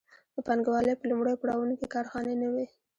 د پانګوالۍ په لومړیو پړاوونو کې کارخانې نه وې.